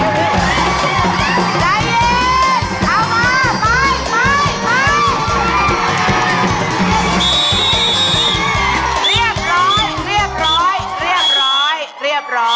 เตรียมตัว